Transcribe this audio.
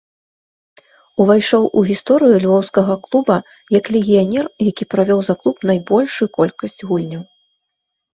Увайшоў у гісторыю львоўскага клуба як легіянер, які правёў за клуб найбольшую колькасць гульняў.